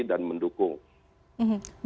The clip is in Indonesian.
dan tentu kami mengapresiasi